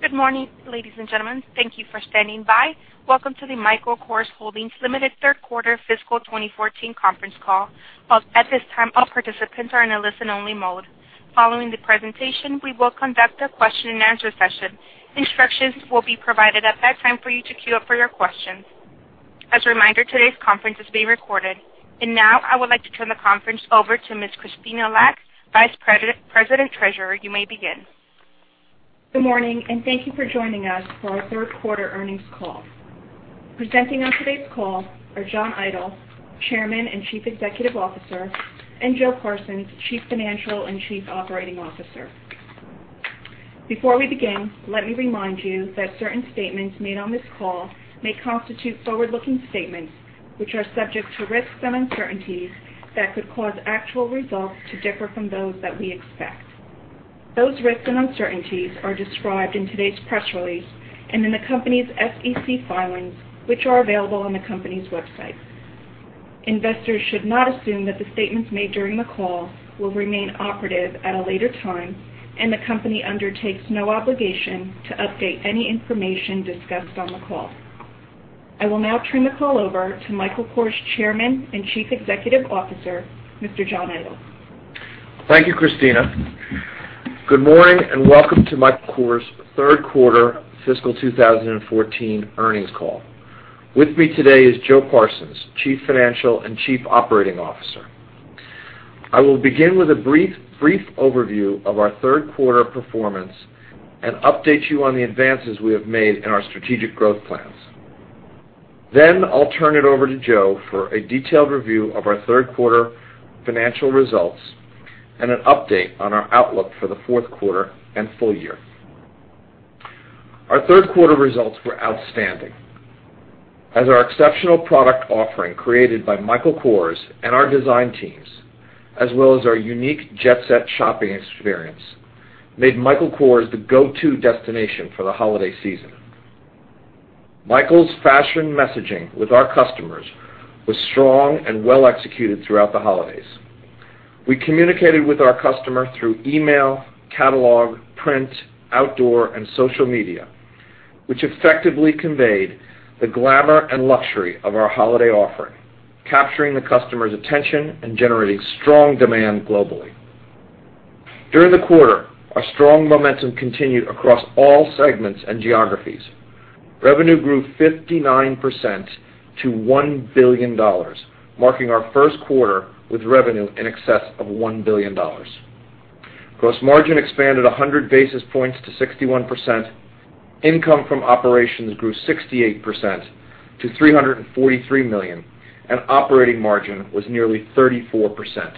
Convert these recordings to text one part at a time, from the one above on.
Good morning, ladies and gentlemen. Thank you for standing by. Welcome to the Michael Kors Holdings Limited third quarter fiscal 2014 conference call. At this time, all participants are in a listen-only mode. Following the presentation, we will conduct a question-and-answer session. Instructions will be provided at that time for you to queue up for your questions. As a reminder, today's conference is being recorded. Now I would like to turn the conference over to Ms. Krystyna Lack, Vice President Treasurer. You may begin. Good morning, and thank you for joining us for our third quarter earnings call. Presenting on today's call are John Idol, Chairman and Chief Executive Officer, and Joe Parsons, Chief Financial and Chief Operating Officer. Before we begin, let me remind you that certain statements made on this call may constitute forward-looking statements, which are subject to risks and uncertainties that could cause actual results to differ from those that we expect. Those risks and uncertainties are described in today's press release and in the company's SEC filings, which are available on the company's website. Investors should not assume that the statements made during the call will remain operative at a later time, and the company undertakes no obligation to update any information discussed on the call. I will now turn the call over to Michael Kors Chairman and Chief Executive Officer, Mr. John Idol. Thank you, Christina. Good morning, and welcome to Michael Kors's third quarter fiscal 2014 earnings call. With me today is Joe Parsons, Chief Financial and Chief Operating Officer. I will begin with a brief overview of our third quarter performance and update you on the advances we have made in our strategic growth plans. I'll turn it over to Joe for a detailed review of our third quarter financial results and an update on our outlook for the fourth quarter and full year. Our third quarter results were outstanding. As our exceptional product offering created by Michael Kors and our design teams, as well as our unique Jet Set shopping experience, made Michael Kors the go-to destination for the holiday season. Michael's fashion messaging with our customers was strong and well executed throughout the holidays. We communicated with our customer through email, catalog, print, outdoor, and social media, which effectively conveyed the glamour and luxury of our holiday offering, capturing the customer's attention and generating strong demand globally. During the quarter, our strong momentum continued across all segments and geographies. Revenue grew 59% to $1 billion, marking our first quarter with revenue in excess of $1 billion. Gross margin expanded 100 basis points to 61%. Income from operations grew 68% to $343 million, and operating margin was nearly 34%.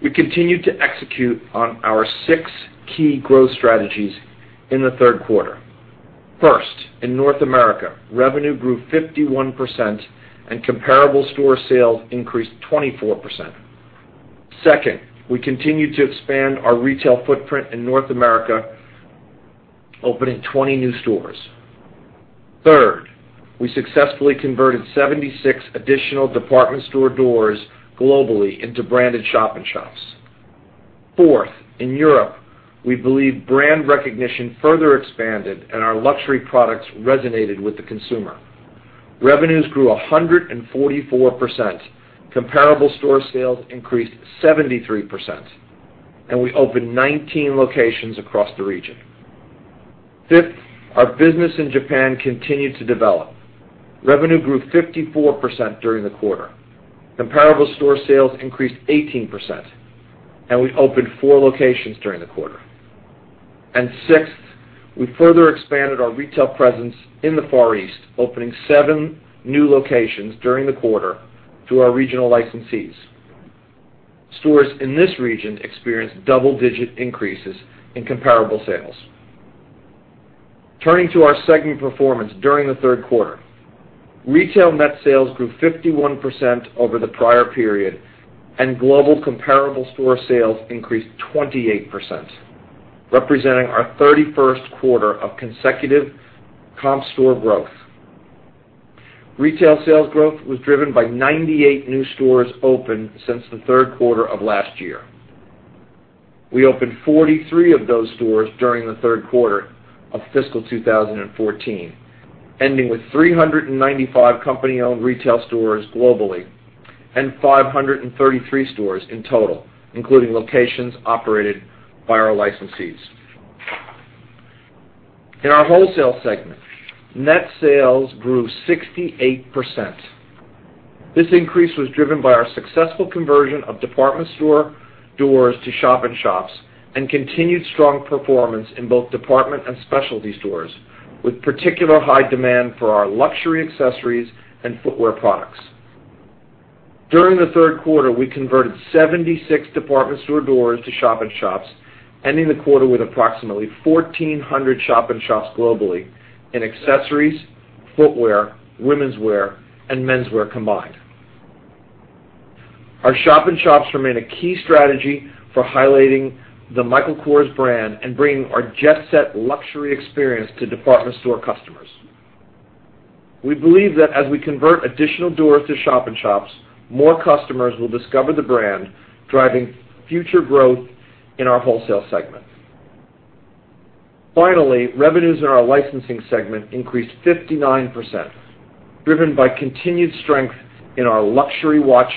We continued to execute on our six key growth strategies in the third quarter. First, in North America, revenue grew 51%, and comparable store sales increased 24%. Second, we continued to expand our retail footprint in North America, opening 20 new stores. Third, we successfully converted 76 additional department store doors globally into branded shop-in-shops. Fourth, in Europe, we believe brand recognition further expanded, and our luxury products resonated with the consumer. Revenues grew 144%, comparable store sales increased 73%, and we opened 19 locations across the region. Fifth, our business in Japan continued to develop. Revenue grew 54% during the quarter. Comparable store sales increased 18%, and we opened four locations during the quarter. Sixth, we further expanded our retail presence in the Far East, opening seven new locations during the quarter through our regional licensees. Stores in this region experienced double-digit increases in comparable sales. Turning to our segment performance during the third quarter. Retail net sales grew 51% over the prior period, and global comparable store sales increased 28%, representing our 31st quarter of consecutive comp store growth. Retail sales growth was driven by 98 new stores opened since the third quarter of last year. We opened 43 of those stores during the third quarter of fiscal 2014, ending with 395 company-owned retail stores globally and 533 stores in total, including locations operated by our licensees. In our wholesale segment, net sales grew 68%. This increase was driven by our successful conversion of department store doors to shop-in-shops and continued strong performance in both department and specialty stores, with particular high demand for our luxury accessories and footwear products. During the third quarter, we converted 76 department store doors to shop-in-shops, ending the quarter with approximately 1,400 shop-in-shops globally in accessories, footwear, womenswear, and menswear combined. Our shop-in-shops remain a key strategy for highlighting the Michael Kors brand and bringing our Jet Set luxury experience to department store customers. We believe that as we convert additional doors to shop-in-shops, more customers will discover the brand, driving future growth in our wholesale segment. Finally, revenues in our licensing segment increased 59%, driven by continued strength in our luxury watch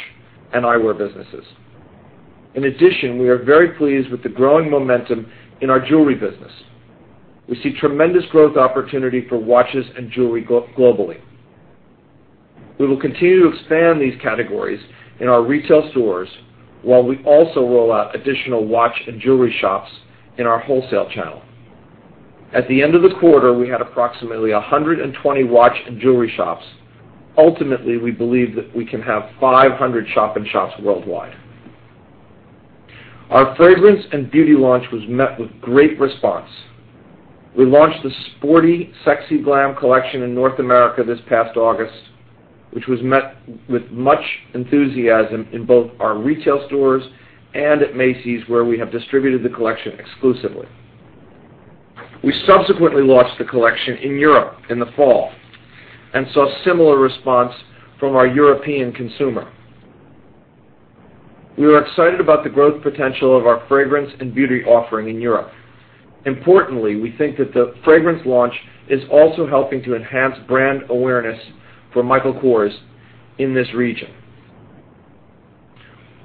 and eyewear businesses. In addition, we are very pleased with the growing momentum in our jewelry business. We see tremendous growth opportunity for watches and jewelry globally. We will continue to expand these categories in our retail stores, while we also roll out additional watch and jewelry shops in our wholesale channel. At the end of the quarter, we had approximately 120 watch and jewelry shops. Ultimately, we believe that we can have 500 shop-in-shops worldwide. Our fragrance and beauty launch was met with great response. We launched the Sporty Sexy Glam collection in North America this past August, which was met with much enthusiasm in both our retail stores and at Macy's, where we have distributed the collection exclusively. We subsequently launched the collection in Europe in the fall and saw a similar response from our European consumer. We are excited about the growth potential of our fragrance and beauty offering in Europe. Importantly, we think that the fragrance launch is also helping to enhance brand awareness for Michael Kors in this region.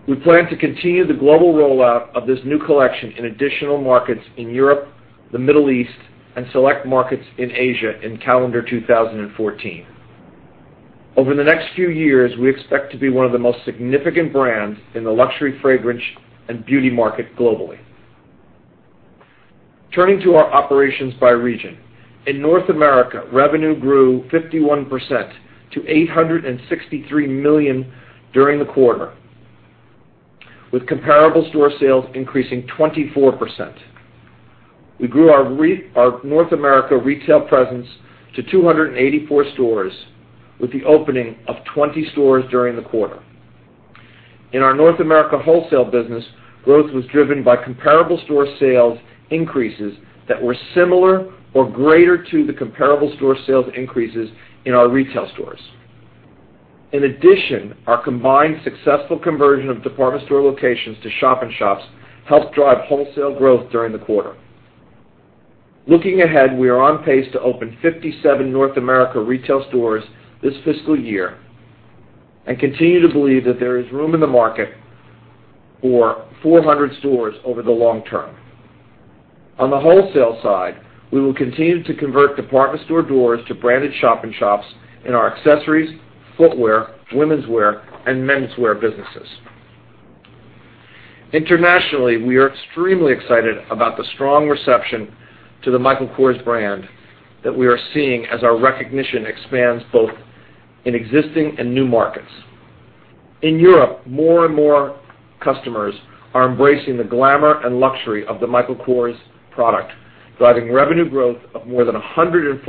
We plan to continue the global rollout of this new collection in additional markets in Europe, the Middle East, and select markets in Asia in calendar 2014. Over the next few years, we expect to be one of the most significant brands in the luxury fragrance and beauty market globally. Turning to our operations by region. In North America, revenue grew 51% to $863 million during the quarter, with comparable store sales increasing 24%. We grew our North America retail presence to 284 stores, with the opening of 20 stores during the quarter. In our North America wholesale business, growth was driven by comparable store sales increases that were similar or greater to the comparable store sales increases in our retail stores. In addition, our combined successful conversion of department store locations to shop-in-shops helped drive wholesale growth during the quarter. Looking ahead, we are on pace to open 57 North America retail stores this fiscal year and continue to believe that there is room in the market for 400 stores over the long term. On the wholesale side, we will continue to convert department store doors to branded shop-in-shops in our accessories, footwear, womenswear, and menswear businesses. Internationally, we are extremely excited about the strong reception to the Michael Kors brand that we are seeing as our recognition expands both in existing and new markets. In Europe, more and more customers are embracing the glamour and luxury of the Michael Kors product, driving revenue growth of more than 140%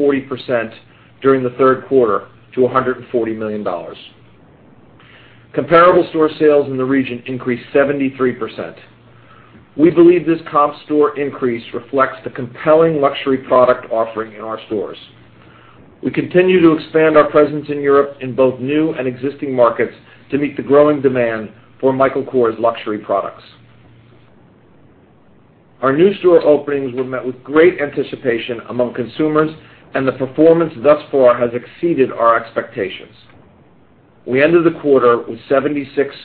during the third quarter to $140 million. Comparable store sales in the region increased 73%. We believe this comp store increase reflects the compelling luxury product offering in our stores. We continue to expand our presence in Europe in both new and existing markets to meet the growing demand for Michael Kors luxury products. Our new store openings were met with great anticipation among consumers, and the performance thus far has exceeded our expectations. We ended the quarter with 76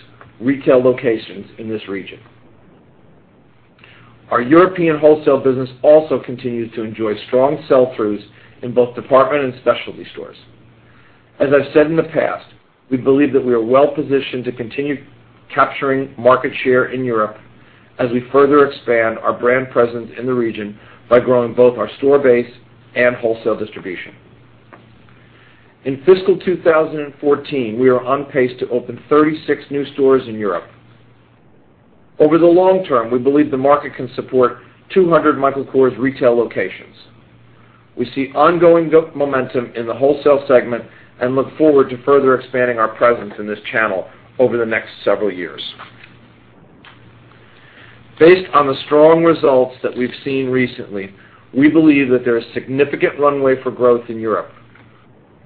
retail locations in this region. Our European wholesale business also continues to enjoy strong sell-throughs in both department and specialty stores. As I've said in the past, we believe that we are well positioned to continue capturing market share in Europe as we further expand our brand presence in the region by growing both our store base and wholesale distribution. In fiscal 2014, we are on pace to open 36 new stores in Europe. Over the long term, we believe the market can support 200 Michael Kors retail locations. We see ongoing momentum in the wholesale segment and look forward to further expanding our presence in this channel over the next several years. Based on the strong results that we've seen recently, we believe that there is significant runway for growth in Europe.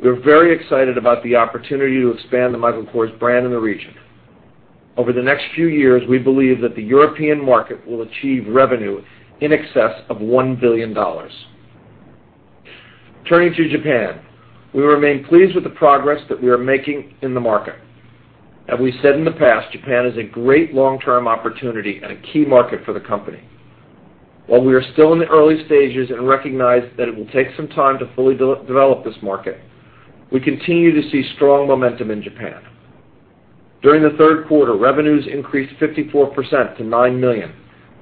We're very excited about the opportunity to expand the Michael Kors brand in the region. Over the next few years, we believe that the European market will achieve revenue in excess of $1 billion. Turning to Japan. We remain pleased with the progress that we are making in the market. As we said in the past, Japan is a great long-term opportunity and a key market for the company. While we are still in the early stages and recognize that it will take some time to fully develop this market, we continue to see strong momentum in Japan. During the third quarter, revenues increased 54% to $9 million,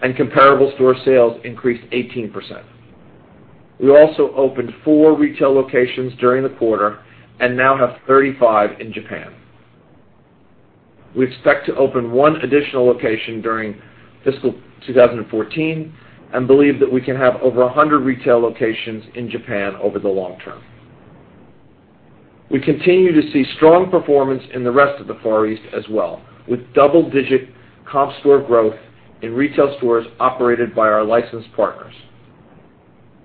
and comparable store sales increased 18%. We also opened four retail locations during the quarter and now have 35 in Japan. We expect to open one additional location during fiscal 2014 and believe that we can have over 100 retail locations in Japan over the long term. We continue to see strong performance in the rest of the Far East as well, with double-digit comp store growth in retail stores operated by our licensed partners.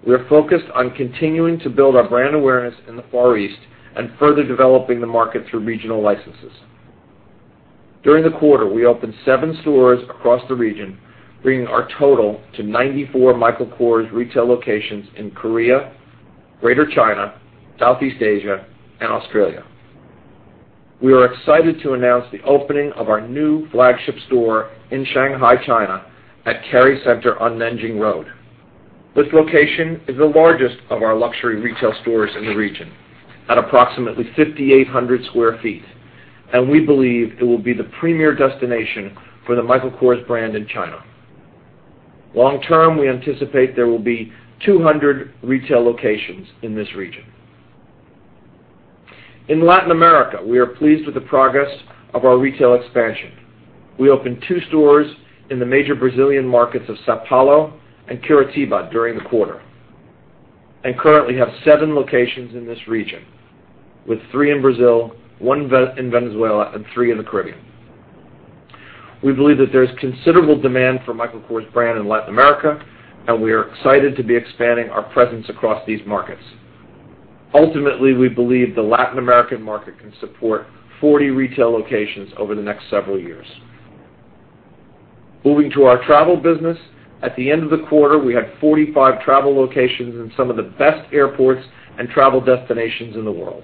We are focused on continuing to build our brand awareness in the Far East and further developing the market through regional licenses. During the quarter, we opened seven stores across the region, bringing our total to 94 Michael Kors retail locations in Korea, Greater China, Southeast Asia, and Australia. We are excited to announce the opening of our new flagship store in Shanghai, China, at Kerry Center on Nanjing Road. This location is the largest of our luxury retail stores in the region, at approximately 5,800 sq ft, and we believe it will be the premier destination for the Michael Kors brand in China. Long term, we anticipate there will be 200 retail locations in this region. In Latin America, we are pleased with the progress of our retail expansion. We opened two stores in the major Brazilian markets of São Paulo and Curitiba during the quarter and currently have seven locations in this region, with three in Brazil, one in Venezuela, and three in the Caribbean. We believe that there is considerable demand for Michael Kors brand in Latin America, and we are excited to be expanding our presence across these markets. Ultimately, we believe the Latin American market can support 40 retail locations over the next several years. Moving to our travel business. At the end of the quarter, we had 45 travel locations in some of the best airports and travel destinations in the world.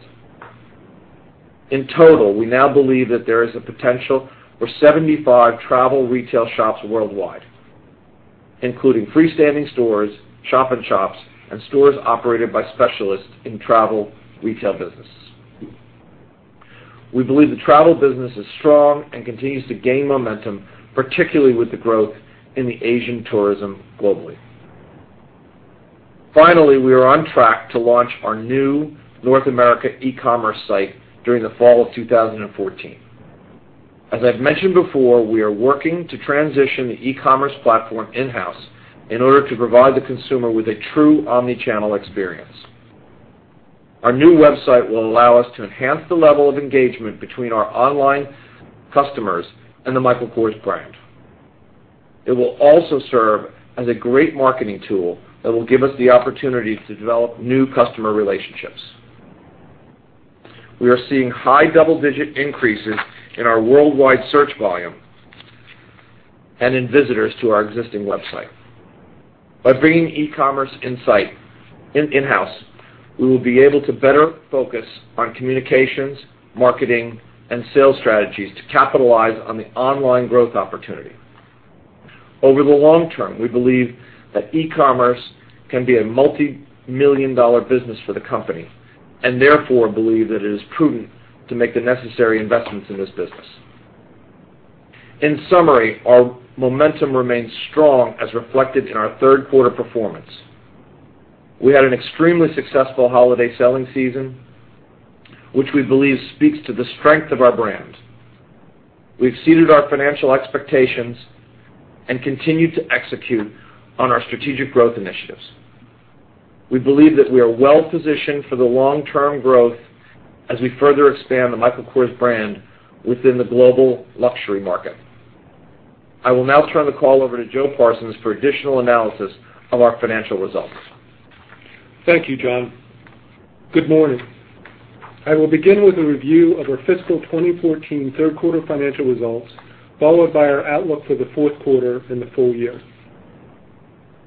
In total, we now believe that there is a potential for 75 travel retail shops worldwide, including freestanding stores, shop in shops, and stores operated by specialists in travel retail business. We believe the travel business is strong and continues to gain momentum, particularly with the growth in Asian tourism globally. Finally, we are on track to launch our new North America e-commerce site during the fall of 2014. As I've mentioned before, we are working to transition the e-commerce platform in-house in order to provide the consumer with a true omni-channel experience. Our new website will allow us to enhance the level of engagement between our online customers and the Michael Kors brand. It will also serve as a great marketing tool that will give us the opportunity to develop new customer relationships. We are seeing high double-digit increases in our worldwide search volume and in visitors to our existing website. By bringing e-commerce in-house, we will be able to better focus on communications, marketing, and sales strategies to capitalize on the online growth opportunity. Over the long term, we believe that e-commerce can be a multimillion-dollar business for the company and therefore believe that it is prudent to make the necessary investments in this business. In summary, our momentum remains strong as reflected in our third quarter performance. We had an extremely successful holiday selling season, which we believe speaks to the strength of our brand. We've exceeded our financial expectations and continue to execute on our strategic growth initiatives. We believe that we are well positioned for the long-term growth as we further expand the Michael Kors brand within the global luxury market. I will now turn the call over to Joe Parsons for additional analysis of our financial results. Thank you, John. Good morning. I will begin with a review of our fiscal 2014 third quarter financial results, followed by our outlook for the fourth quarter and the full year.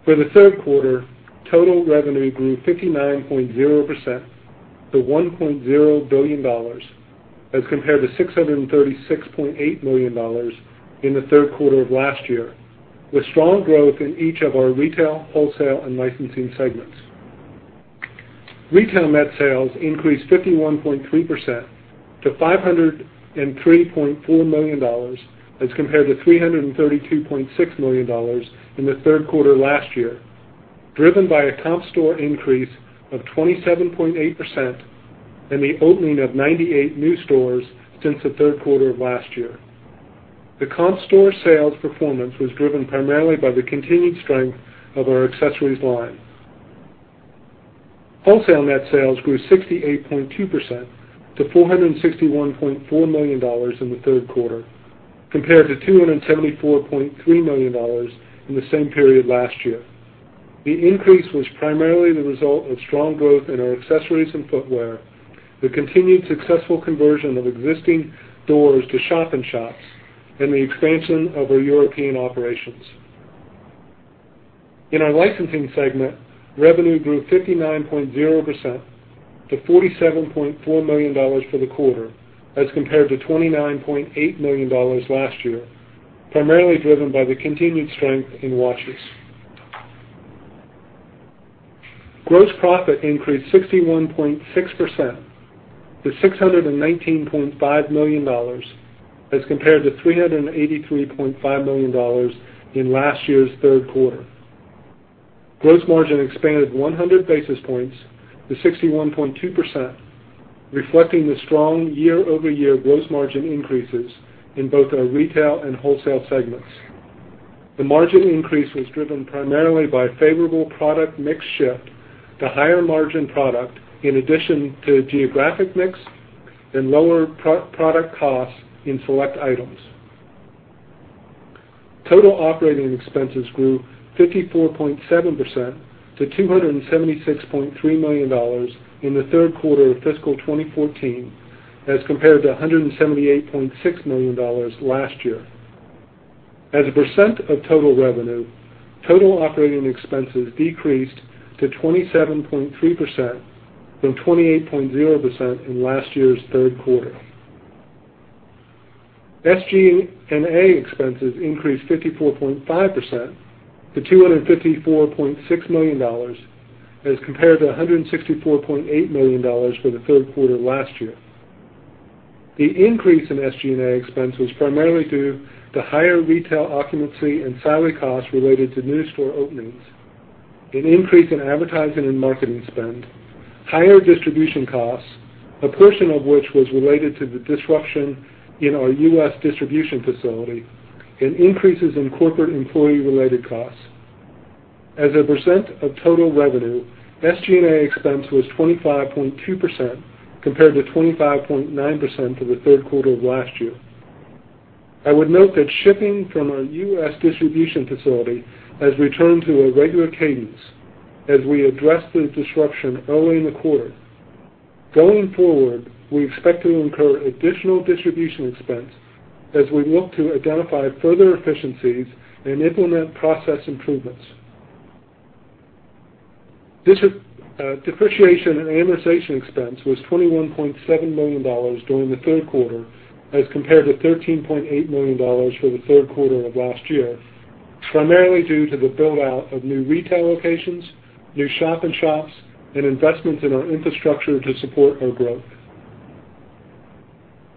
For the third quarter, total revenue grew 59.0% to $1.0 billion as compared to $636.8 million in the third quarter of last year, with strong growth in each of our retail, wholesale, and licensing segments. Retail net sales increased 51.3% to $503.4 million as compared to $332.6 million in the third quarter last year, driven by a comp store increase of 27.8% and the opening of 98 new stores since the third quarter of last year. The comp store sales performance was driven primarily by the continued strength of our accessories line. Wholesale net sales grew 68.2% to $461.4 million in the third quarter, compared to $274.3 million in the same period last year. The increase was primarily the result of strong growth in our accessories and footwear, the continued successful conversion of existing doors to shop-in-shops, and the expansion of our European operations. In our licensing segment, revenue grew 59.0% to $47.4 million for the quarter as compared to $29.8 million last year, primarily driven by the continued strength in watches. Gross profit increased 61.6% to $619.5 million as compared to $383.5 million in last year's third quarter. Gross margin expanded 100 basis points to 61.2%, reflecting the strong year-over-year gross margin increases in both our retail and wholesale segments. The margin increase was driven primarily by a favorable product mix shift to higher margin product in addition to geographic mix and lower product cost in select items. Total operating expenses grew 54.7% to $276.3 million in the third quarter of fiscal 2014 as compared to $178.6 million last year. As a percent of total revenue, total operating expenses decreased to 27.3% from 28.0% in last year's third quarter. SG&A expenses increased 54.5% to $254.6 million as compared to $164.8 million for the third quarter last year. The increase in SG&A expense was primarily due to higher retail occupancy and salary costs related to new store openings, an increase in advertising and marketing spend, higher distribution costs, a portion of which was related to the disruption in our U.S. distribution facility, and increases in corporate employee-related costs. As a percent of total revenue, SG&A expense was 25.2% compared to 25.9% for the third quarter of last year. I would note that shipping from our U.S. distribution facility has returned to a regular cadence as we address the disruption early in the quarter. Going forward, we expect to incur additional distribution expense as we look to identify further efficiencies and implement process improvements. Depreciation and amortization expense was $21.7 million during the third quarter as compared to $13.8 million for the third quarter of last year, primarily due to the build-out of new retail locations, new shop-in-shops, and investments in our infrastructure to support our growth.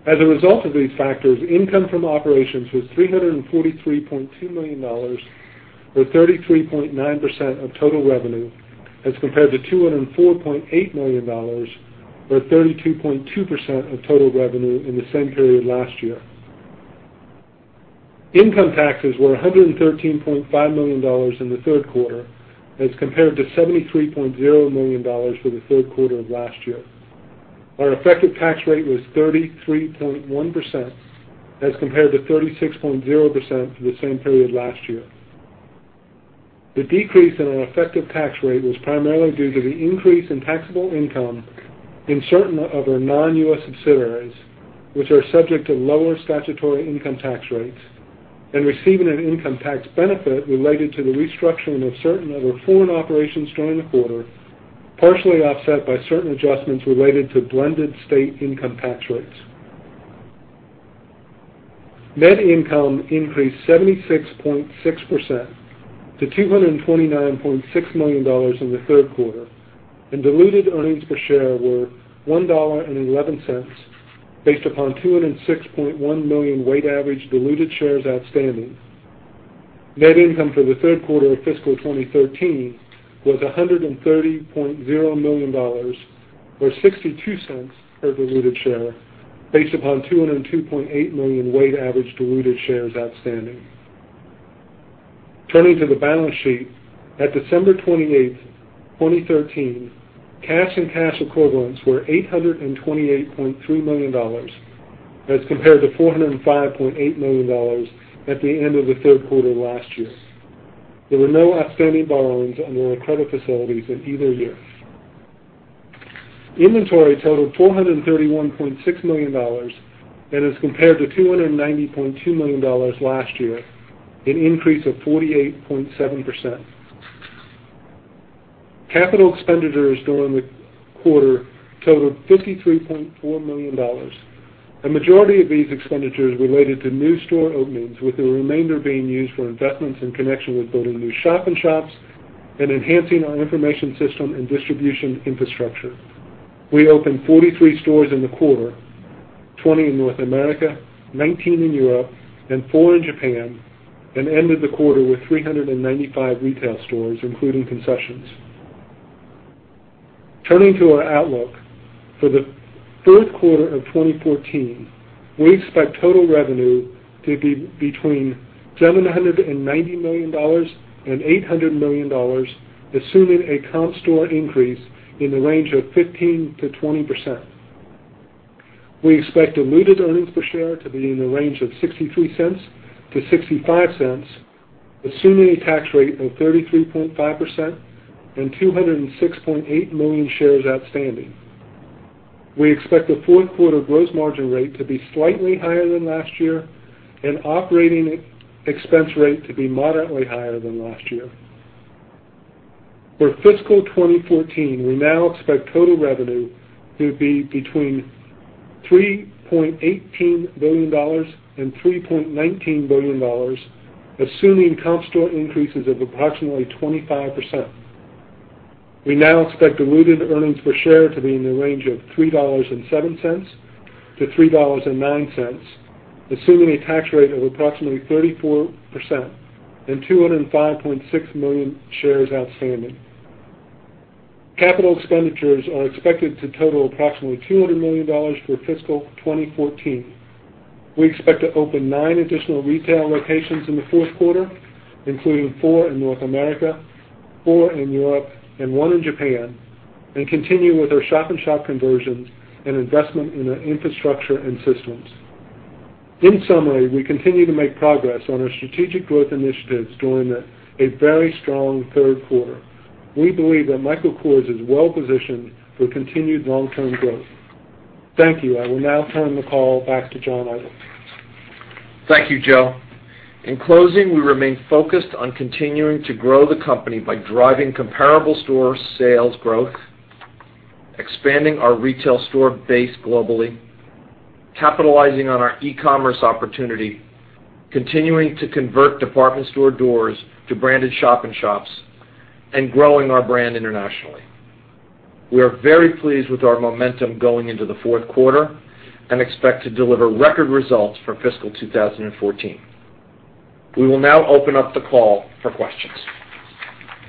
As a result of these factors, income from operations was $343.2 million, or 33.9% of total revenue as compared to $204.8 million, or 32.2% of total revenue in the same period last year. Income taxes were $113.5 million in the third quarter as compared to $73.0 million for the third quarter of last year. Our effective tax rate was 33.1% as compared to 36.0% for the same period last year. The decrease in our effective tax rate was primarily due to the increase in taxable income in certain of our non-U.S. subsidiaries, which are subject to lower statutory income tax rates and receiving an income tax benefit related to the restructuring of certain of our foreign operations during the quarter, partially offset by certain adjustments related to blended state income tax rates. Net income increased 76.6% to $229.6 million in the third quarter, and diluted earnings per share were $1.11 based upon 206.1 million weighted-average diluted shares outstanding. Net income for the third quarter of fiscal 2013 was $130.0 million, or $0.62 per diluted share based upon 202.8 million weighted-average diluted shares outstanding. Turning to the balance sheet, at December 28th, 2013, cash and cash equivalents were $828.3 million as compared to $405.8 million at the end of the third quarter last year. There were no outstanding borrowings under our credit facilities in either year. Inventory totaled $431.6 million and is compared to $290.2 million last year, an increase of 48.7%. Capital expenditures during the quarter totaled $53.4 million. A majority of these expenditures related to new store openings, with the remainder being used for investments in connection with building new shop-in-shops and enhancing our information system and distribution infrastructure. We opened 43 stores in the quarter, 20 in North America, 19 in Europe, and four in Japan, and ended the quarter with 395 retail stores, including concessions. Turning to our outlook. For the fourth quarter of 2014, we expect total revenue to be between $790 million and $800 million, assuming a comp store increase in the range of 15%-20%. We expect diluted earnings per share to be in the range of $0.63-$0.65, assuming a tax rate of 33.5% and 206.8 million shares outstanding. We expect the fourth quarter gross margin rate to be slightly higher than last year and operating expense rate to be moderately higher than last year. For fiscal 2014, we now expect total revenue to be between $3.18 billion and $3.19 billion, assuming comp store increases of approximately 25%. We now expect diluted earnings per share to be in the range of $3.07-$3.09, assuming a tax rate of approximately 34% and 205.6 million shares outstanding. Capital expenditures are expected to total approximately $200 million for fiscal 2014. We expect to open nine additional retail locations in the fourth quarter, including four in North America, four in Europe, and one in Japan. Continue with our shop-in-shop conversions and investment in our infrastructure and systems. In summary, we continue to make progress on our strategic growth initiatives during a very strong third quarter. We believe that Michael Kors is well positioned for continued long-term growth. Thank you. I will now turn the call back to John Idol. Thank you, Joe. In closing, we remain focused on continuing to grow the company by driving comparable store sales growth, expanding our retail store base globally, capitalizing on our e-commerce opportunity, continuing to convert department store doors to branded shop-in-shops, and growing our brand internationally. We are very pleased with our momentum going into the fourth quarter and expect to deliver record results for fiscal 2014. We will now open up the call for questions.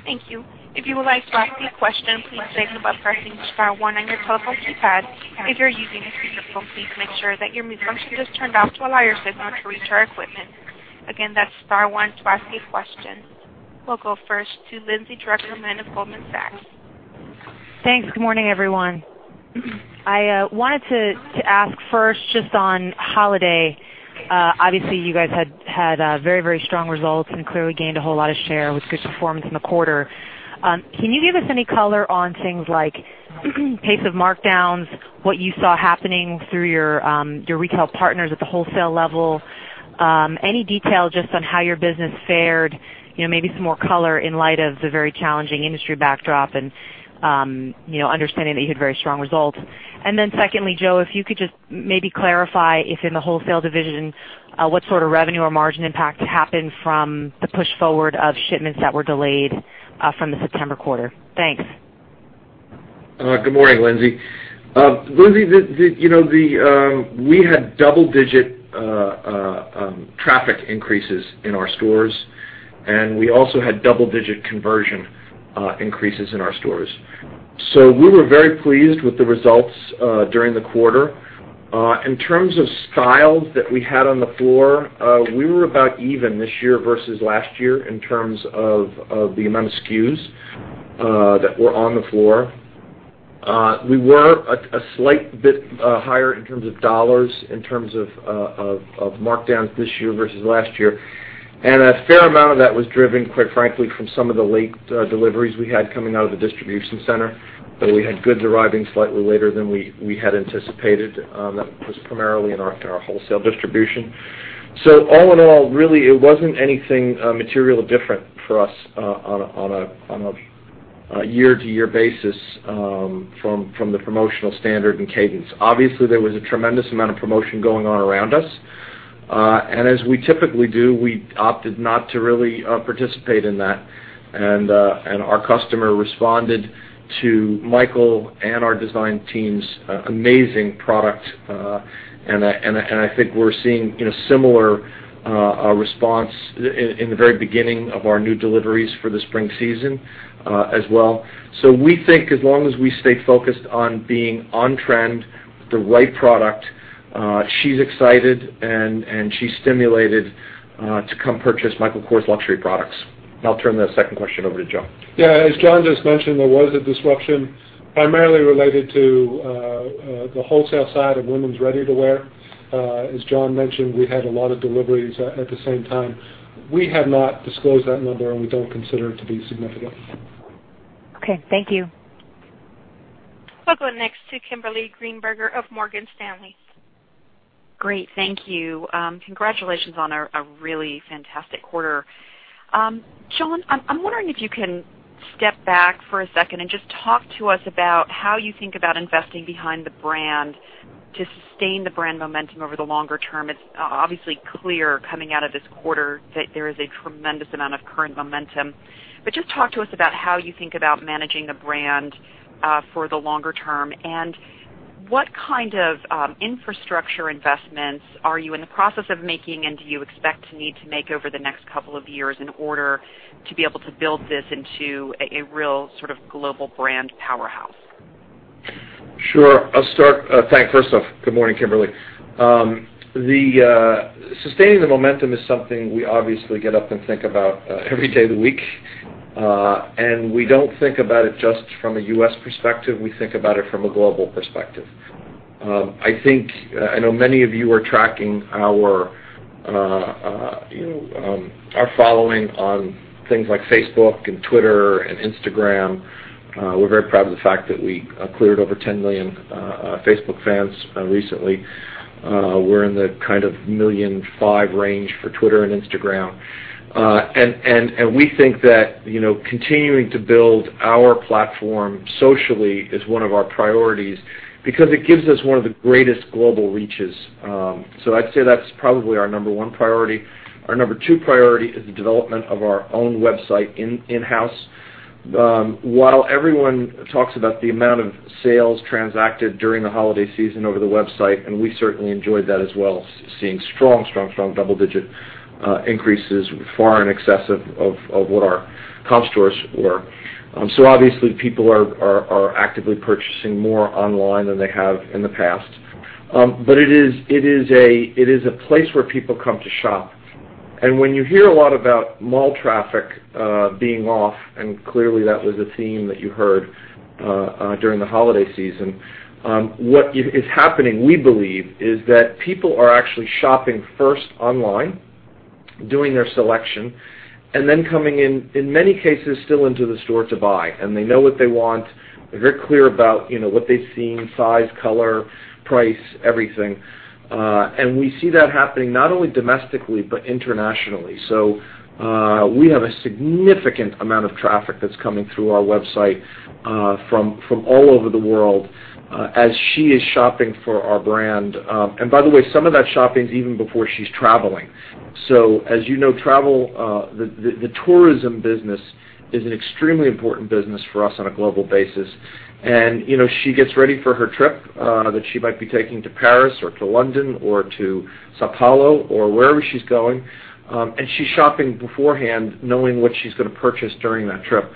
Thank you. If you would like to ask a question, please signal by pressing star one on your telephone keypad. If you are using a speakerphone, please make sure that your mute function is turned off to allow your signal to reach our equipment. Again, that is star one to ask a question. We will go first to Lindsay Drucker of Goldman Sachs. Thank you. Good morning, everyone. I wanted to ask first just on holiday. Obviously, you guys had very strong results and clearly gained a whole lot of share with good performance in the quarter. Can you give us any color on things like pace of markdowns, what you saw happening through your retail partners at the wholesale level? Any detail just on how your business fared, maybe some more color in light of the very challenging industry backdrop and understanding that you had very strong results. Secondly, Joe, if you could just maybe clarify if in the wholesale division, what sort of revenue or margin impact happened from the push forward of shipments that were delayed from the September quarter. Thank you. Good morning, Lindsay. Lindsay, we had double-digit traffic increases in our stores, and we also had double-digit conversion increases in our stores. We were very pleased with the results during the quarter. In terms of styles that we had on the floor, we were about even this year versus last year in terms of the amount of SKUs that were on the floor. We were a slight bit higher in terms of dollars, in terms of markdowns this year versus last year. A fair amount of that was driven, quite frankly, from some of the late deliveries we had coming out of the distribution center. We had goods arriving slightly later than we had anticipated. That was primarily in our wholesale distribution. All in all, really, it was not anything materially different for us on a year-to-year basis from the promotional standard and cadence. Obviously, there was a tremendous amount of promotion going on around us. As we typically do, we opted not to really participate in that. Our customer responded to Michael and our design team's amazing product. I think we're seeing a similar response in the very beginning of our new deliveries for the spring season as well. We think as long as we stay focused on being on trend with the right product, she's excited and she's stimulated to come purchase Michael Kors luxury products. I'll turn the second question over to Joe. Yeah, as John just mentioned, there was a disruption primarily related to the wholesale side of women's ready-to-wear. As John mentioned, we had a lot of deliveries at the same time. We have not disclosed that number, we don't consider it to be significant. Okay. Thank you. We'll go next to Kimberly Greenberger of Morgan Stanley. Great. Thank you. Congratulations on a really fantastic quarter. John, I'm wondering if you can step back for a second and just talk to us about how you think about investing behind the brand to sustain the brand momentum over the longer term. It's obviously clear coming out of this quarter that there is a tremendous amount of current momentum. Just talk to us about how you think about managing the brand for the longer term, and what kind of infrastructure investments are you in the process of making and do you expect to need to make over the next couple of years in order to be able to build this into a real sort of global brand powerhouse? Sure. I'll start. Thanks. First off, good morning, Kimberly. Sustaining the momentum is something we obviously get up and think about every day of the week. We don't think about it just from a U.S. perspective. We think about it from a global perspective. I know many of you are tracking our following on things like Facebook and Twitter and Instagram. We're very proud of the fact that we cleared over 10 million Facebook fans recently. We're in the kind of $1.5 million range for Twitter and Instagram. We think that continuing to build our platform socially is one of our priorities because it gives us one of the greatest global reaches. I'd say that's probably our number 1 priority. Our number 2 priority is the development of our own website in-house. While everyone talks about the amount of sales transacted during the holiday season over the website, we certainly enjoyed that as well, seeing strong double-digit increases far in excess of what our comp stores were. Obviously, people are actively purchasing more online than they have in the past. It is a place where people come to shop When you hear a lot about mall traffic being off, and clearly that was a theme that you heard during the holiday season, what is happening, we believe, is that people are actually shopping first online, doing their selection, and then coming in many cases, still into the store to buy. They know what they want. They're very clear about what they've seen, size, color, price, everything. We see that happening not only domestically but internationally. We have a significant amount of traffic that's coming through our website from all over the world as she is shopping for our brand. By the way, some of that shopping is even before she's traveling. As you know, the tourism business is an extremely important business for us on a global basis. She gets ready for her trip that she might be taking to Paris or to London or to São Paulo or wherever she's going, and she's shopping beforehand knowing what she's going to purchase during that trip.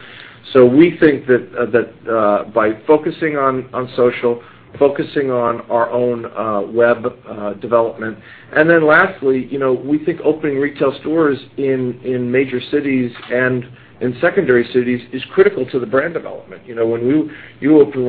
We think that by focusing on social, focusing on our own web development, and then lastly, we think opening retail stores in major cities and in secondary cities is critical to the brand development. When you open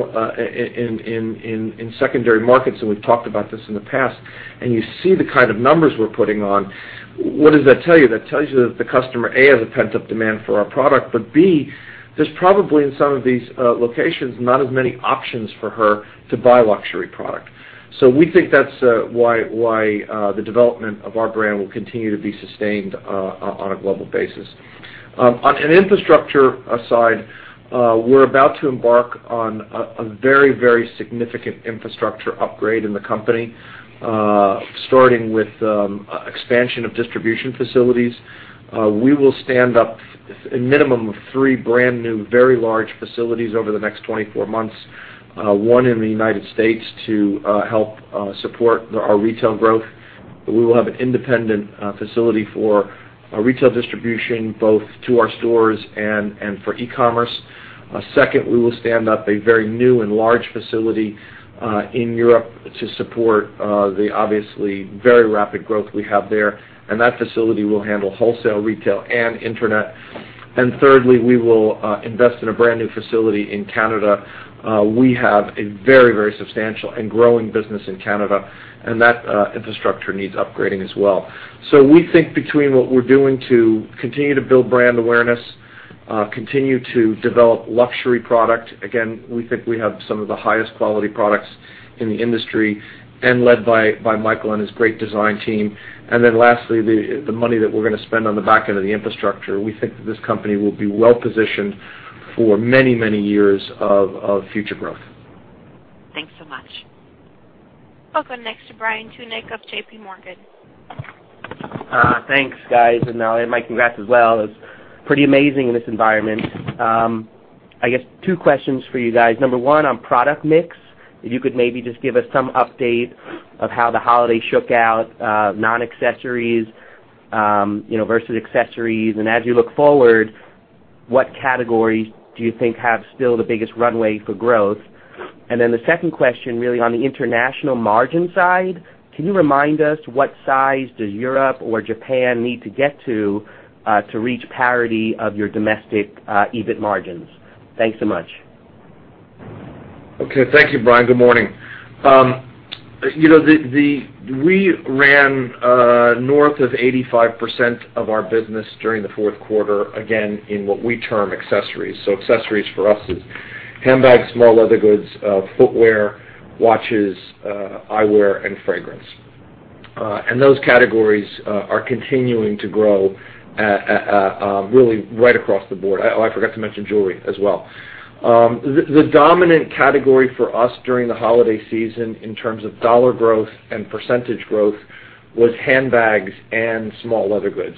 in secondary markets, we've talked about this in the past, you see the kind of numbers we're putting on, what does that tell you? That tells you that the customer, A, has a pent-up demand for our product, B, there's probably, in some of these locations, not as many options for her to buy luxury product. We think that's why the development of our brand will continue to be sustained on a global basis. On an infrastructure side, we're about to embark on a very significant infrastructure upgrade in the company, starting with expansion of distribution facilities. We will stand up a minimum of three brand new, very large facilities over the next 24 months. One in the U.S. to help support our retail growth. We will have an independent facility for our retail distribution, both to our stores and for e-commerce. Second, we will stand up a very new and large facility in Europe to support the obviously very rapid growth we have there, that facility will handle wholesale, retail, and internet. Thirdly, we will invest in a brand new facility in Canada. We have a very substantial and growing business in Canada, that infrastructure needs upgrading as well. We think between what we're doing to continue to build brand awareness, continue to develop luxury product, again, we think we have some of the highest quality products in the industry and led by Michael and his great design team. Lastly, the money that we're going to spend on the back end of the infrastructure, we think that this company will be well positioned for many years of future growth. Thanks so much. Welcome next to Brian Tunick of JPMorgan. Thanks, guys. Mike, congrats as well. It's pretty amazing in this environment. I guess two questions for you guys. Number 1 on product mix, if you could maybe just give us some update of how the holiday shook out non-accessories versus accessories. As you look forward, what categories do you think have still the biggest runway for growth? The second question, really on the international margin side, can you remind us what size does Europe or Japan need to get to reach parity of your domestic EBIT margins? Thanks so much. Okay. Thank you, Brian. Good morning. We ran north of 85% of our business during the fourth quarter, again, in what we term accessories. Accessories for us is handbags, small leather goods, footwear, watches, eyewear, and fragrance. Those categories are continuing to grow really right across the board. Oh, I forgot to mention jewelry as well. The dominant category for us during the holiday season in terms of dollar growth and percentage growth was handbags and small leather goods.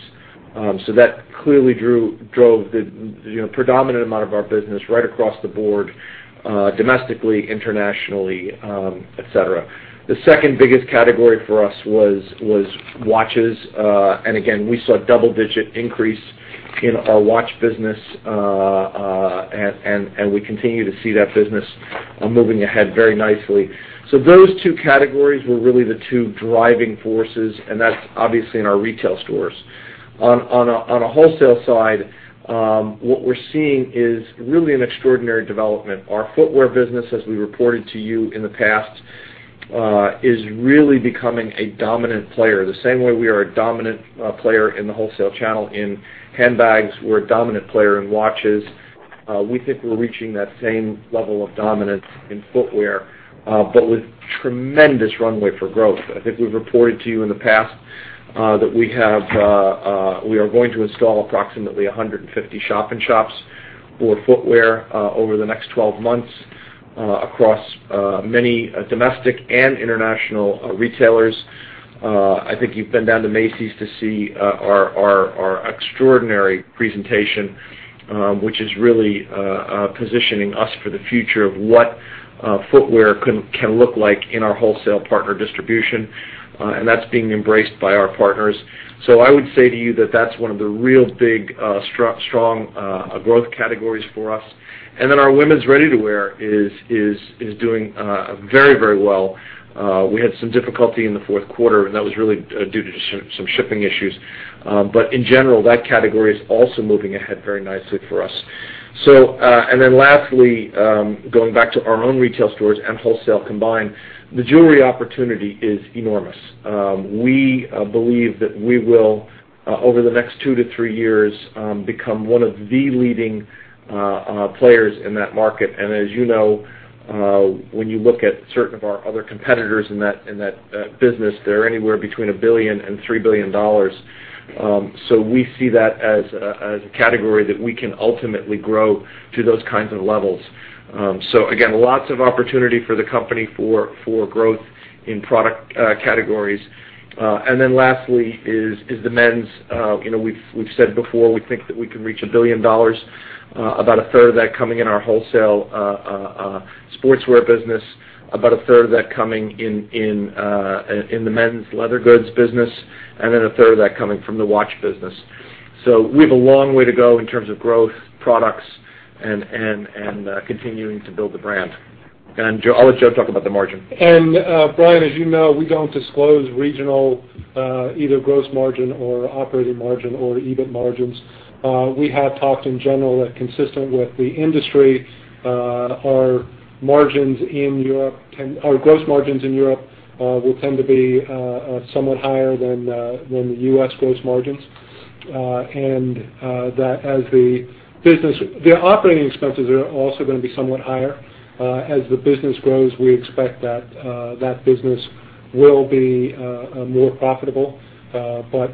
That clearly drove the predominant amount of our business right across the board, domestically, internationally, et cetera. The second biggest category for us was watches. Again, we saw double-digit increase in our watch business, and we continue to see that business moving ahead very nicely. Those two categories were really the two driving forces, and that's obviously in our retail stores. On a wholesale side, what we're seeing is really an extraordinary development. Our footwear business, as we reported to you in the past, is really becoming a dominant player. The same way we are a dominant player in the wholesale channel in handbags. We're a dominant player in watches. We think we're reaching that same level of dominance in footwear, but with tremendous runway for growth. I think we've reported to you in the past that we are going to install approximately 150 shop in shops for footwear over the next 12 months across many domestic and international retailers. I think you've been down to Macy's to see our extraordinary presentation, which is really positioning us for the future of what footwear can look like in our wholesale partner distribution, and that's being embraced by our partners. I would say to you that that's one of the real big, strong growth categories for us. Our women's ready-to-wear is doing very well. We had some difficulty in the fourth quarter, that was really due to some shipping issues. In general, that category is also moving ahead very nicely for us. Lastly, going back to our own retail stores and wholesale combined, the jewelry opportunity is enormous. We believe that we will, over the next two to three years, become one of the leading players in that market. As you know, when you look at certain of our other competitors in that business, they're anywhere between $1 billion and $3 billion. We see that as a category that we can ultimately grow to those kinds of levels. Again, lots of opportunity for the company for growth in product categories. Lastly is the men's. We've said before, we think that we can reach $1 billion, about a third of that coming in our wholesale sportswear business, about a third of that coming in the men's leather goods business, and a third of that coming from the watch business. We have a long way to go in terms of growth products and continuing to build the brand. I'll let Joe talk about the margin. Brian, as you know, we don't disclose regional either gross margin or operating margin or EBIT margins. We have talked in general that consistent with the industry, our gross margins in Europe will tend to be somewhat higher than the U.S. gross margins. The operating expenses are also going to be somewhat higher. As the business grows, we expect that business will be more profitable.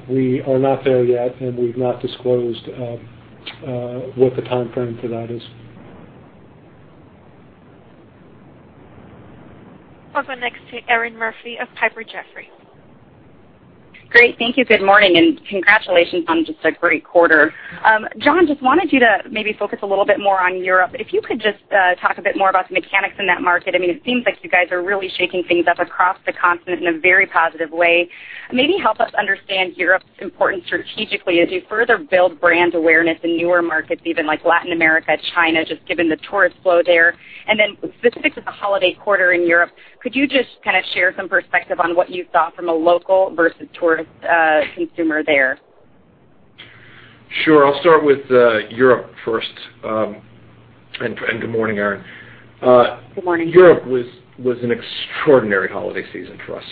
We are not there yet, and we've not disclosed what the timeframe for that is. I'll go next to Erinn Murphy of Piper Jaffray. Great. Thank you. Good morning, congratulations on just a great quarter. John, just wanted you to maybe focus a little bit more on Europe. If you could just talk a bit more about the mechanics in that market. It seems like you guys are really shaking things up across the continent in a very positive way. Maybe help us understand Europe's importance strategically as you further build brand awareness in newer markets, even like Latin America, China, just given the tourist flow there. Specifically the holiday quarter in Europe, could you just kind of share some perspective on what you saw from a local versus tourist consumer there? Sure. I'll start with Europe first. Good morning, Erinn. Good morning. Europe was an extraordinary holiday season for us.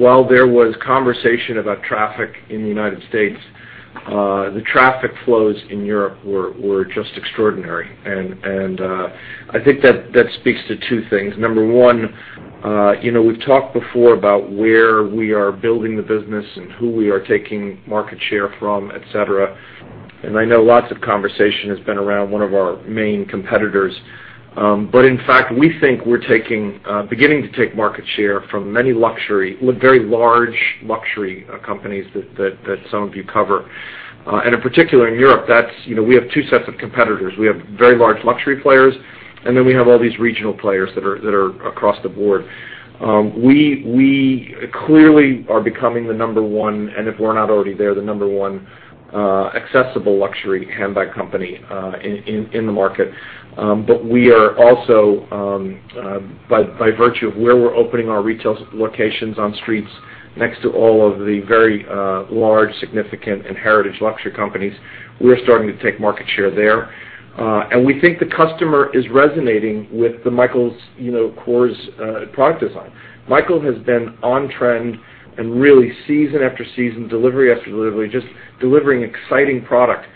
While there was conversation about traffic in the U.S., the traffic flows in Europe were just extraordinary. I think that speaks to two things. Number 1, we've talked before about where we are building the business and who we are taking market share from, et cetera. I know lots of conversation has been around one of our main competitors. In fact, we think we're beginning to take market share from many very large luxury companies that some of you cover. In particular in Europe, we have two sets of competitors. We have very large luxury players, and then we have all these regional players that are across the board. We clearly are becoming the number 1, and if we're not already there, the number 1 accessible luxury handbag company in the market. We are also by virtue of where we're opening our retail locations on streets next to all of the very large, significant, and heritage luxury companies. We're starting to take market share there. We think the customer is resonating with Michael Kors' core product design. Michael Kors has been on trend and really season after season, delivery after delivery, just delivering exciting product.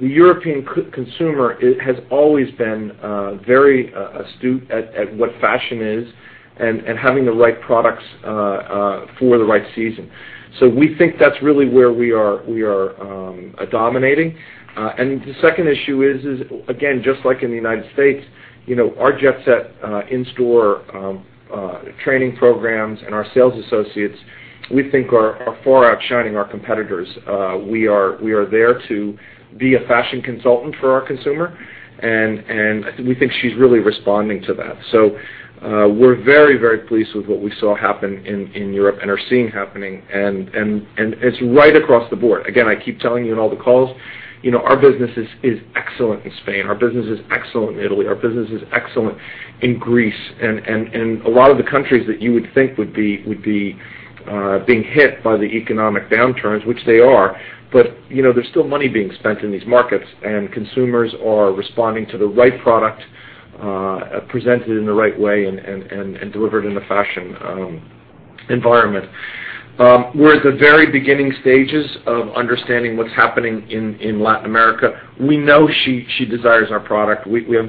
The European consumer has always been very astute at what fashion is and having the right products for the right season. We think that's really where we are dominating. The second issue is, again, just like in the U.S., our Jet Set in-store training programs and our sales associates, we think are far outshining our competitors. We are there to be a fashion consultant for our consumer, and we think she's really responding to that. We're very pleased with what we saw happen in Europe and are seeing happening, and it's right across the board. Again, I keep telling you in all the calls, our business is excellent in Spain, our business is excellent in Italy, our business is excellent in Greece, and a lot of the countries that you would think would be being hit by the economic downturns, which they are. There's still money being spent in these markets, and consumers are responding to the right product presented in the right way and delivered in the fashion environment. We're at the very beginning stages of understanding what's happening in Latin America. We know she desires our product. We have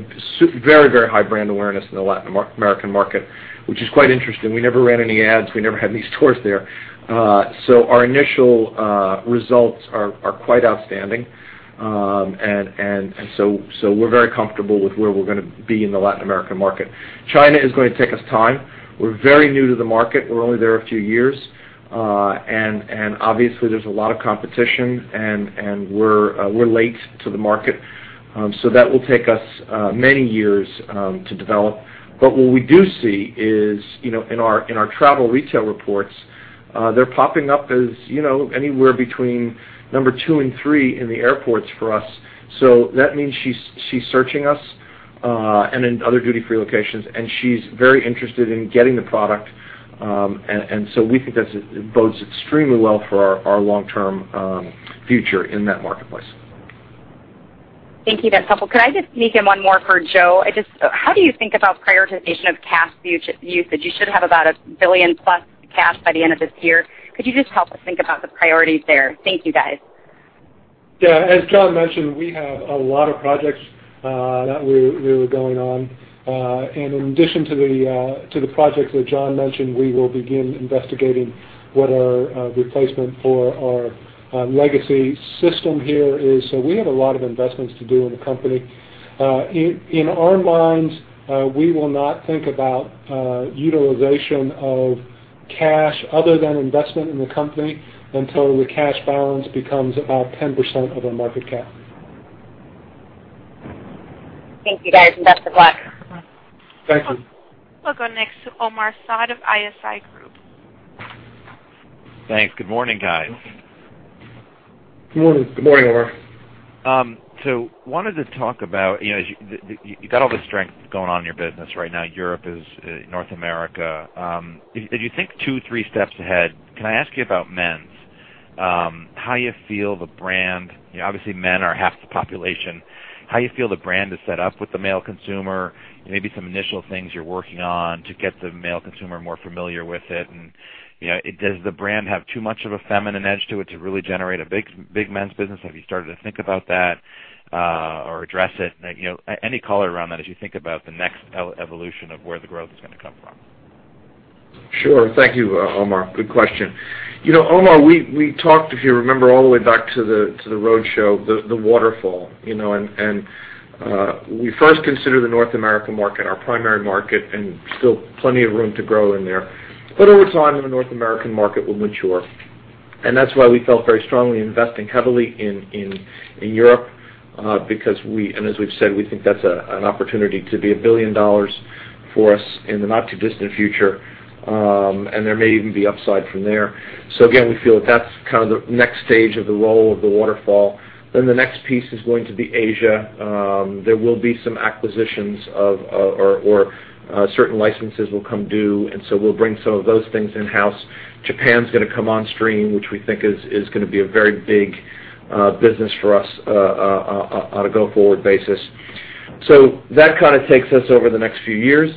very high brand awareness in the Latin American market, which is quite interesting. We never ran any ads. We never had any stores there. Our initial results are quite outstanding. We're very comfortable with where we're going to be in the Latin American market. China is going to take us time. We're very new to the market. We're only there a few years. Obviously, there's a lot of competition, and we're late to the market. That will take us many years to develop. What we do see is in our travel retail reports, they're popping up as anywhere between number 2 and 3 in the airports for us. That means she's searching us And in other duty-free locations. She's very interested in getting the product. We think that bodes extremely well for our long-term future in that marketplace. Thank you. That's helpful. Could I just sneak in one more for Joe? How do you think about prioritization of cash usage? You should have about a $1 billion-plus cash by the end of this year. Could you just help us think about the priorities there? Thank you, guys. Yeah. As John mentioned, we have a lot of projects that we're going on. In addition to the projects that John mentioned, we will begin investigating what our replacement for our legacy system here is. We have a lot of investments to do in the company. In our minds, we will not think about utilization of cash other than investment in the company until the cash balance becomes about 10% of our market cap. Thank you, guys, and best of luck. Thank you. We'll go next to Omar Saad of ISI Group. Thanks. Good morning, guys. Good morning. Good morning, Omar. Wanted to talk about, you got all this strength going on in your business right now. Europe is North America. If you think two, three steps ahead, can I ask you about men's? How you feel, obviously, men are half the population. How you feel the brand is set up with the male consumer, maybe some initial things you're working on to get the male consumer more familiar with it. Does the brand have too much of a feminine edge to it to really generate a big men's business? Have you started to think about that or address it? Any color around that as you think about the next evolution of where the growth is going to come from. Sure. Thank you, Omar. Good question. Omar, we talked, if you remember, all the way back to the roadshow, the waterfall. We first consider the North American market our primary market, and still plenty of room to grow in there. Over time, the North American market will mature. That's why we felt very strongly investing heavily in Europe, because we, and as we've said, we think that's an opportunity to be $1 billion for us in the not-too-distant future, and there may even be upside from there. Again, we feel that's kind of the next stage of the roll of the waterfall. The next piece is going to be Asia. There will be some acquisitions of, or certain licenses will come due, we'll bring some of those things in-house. Japan's going to come on stream, which we think is going to be a very big business for us on a go-forward basis. That kind of takes us over the next few years.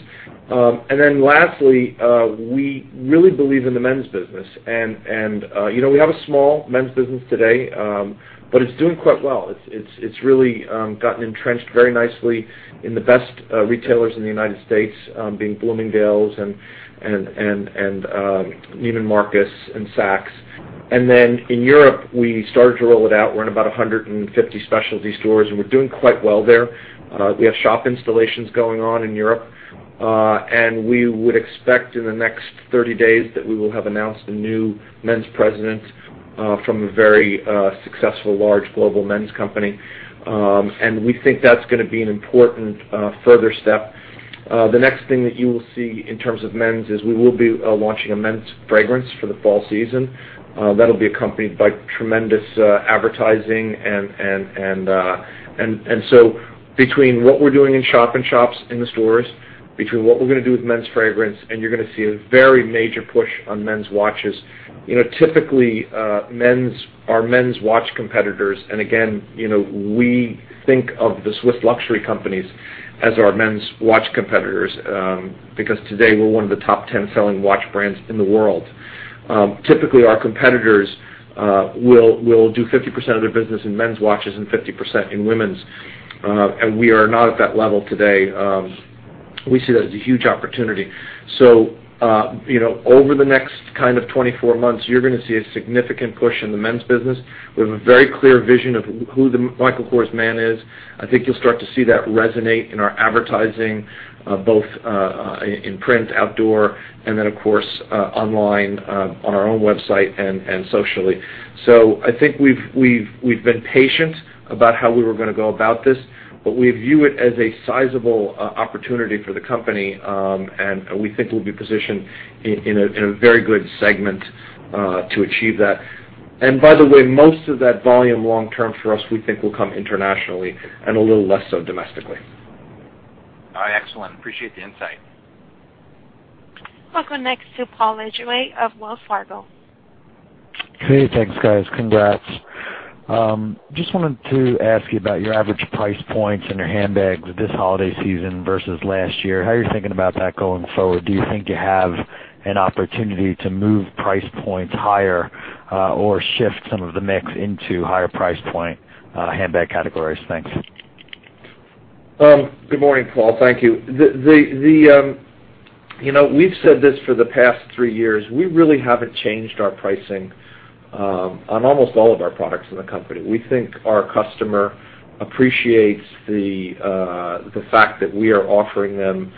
Lastly, we really believe in the men's business. We have a small men's business today, but it's doing quite well. It's really gotten entrenched very nicely in the best retailers in the United States, being Bloomingdale's and Neiman Marcus and Saks. In Europe, we started to roll it out. We're in about 150 specialty stores, and we're doing quite well there. We have shop installations going on in Europe. We would expect in the next 30 days that we will have announced a new men's president from a very successful, large global men's company. We think that's going to be an important further step. The next thing that you will see in terms of men's is we will be launching a men's fragrance for the fall season. That'll be accompanied by tremendous advertising and between what we're doing in shop and shops in the stores, between what we're going to do with men's fragrance, and you're going to see a very major push on men's watches. Typically, our men's watch competitors, and again, we think of the Swiss luxury companies as our men's watch competitors, because today we're one of the top 10 selling watch brands in the world. Typically, our competitors will do 50% of their business in men's watches and 50% in women's. We are not at that level today. We see that as a huge opportunity. Over the next kind of 24 months, you're going to see a significant push in the men's business. We have a very clear vision of who the Michael Kors man is. I think you'll start to see that resonate in our advertising, both in print, outdoor, and then, of course, online on our own website and socially. I think we've been patient about how we were going to go about this, but we view it as a sizable opportunity for the company, and we think we'll be positioned in a very good segment to achieve that. By the way, most of that volume long term for us, we think, will come internationally and a little less so domestically. All right. Excellent. Appreciate the insight. Welcome next to Paul Lejuez of Wells Fargo. Hey, thanks, guys. Congrats. Just wanted to ask you about your average price points in your handbags this holiday season versus last year. How are you thinking about that going forward? Do you think you have an opportunity to move price points higher or shift some of the mix into higher price point handbag categories? Thanks. Good morning, Paul. Thank you. We've said this for the past three years. We really haven't changed our pricing on almost all of our products in the company. We think our customer appreciates the fact that we are offering them